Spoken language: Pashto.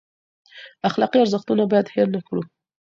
اخلاقي ارزښتونه باید هیر نه کړو.